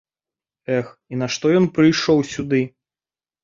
Эх, і нашто ён прыйшоў сюды?